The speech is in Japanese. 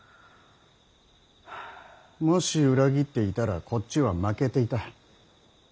もし裏切っていたらこっちは負けていた。